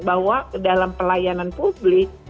bahwa dalam pelayanan publik